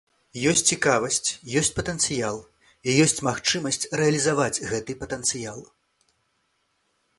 Ёсць цікавасць, ёсць патэнцыял і ёсць магчымасць рэалізаваць гэты патэнцыял.